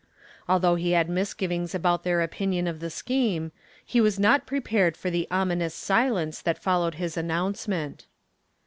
Although he had misgivings about their opinion of the scheme, he was not prepared for the ominous silence that followed his announcement.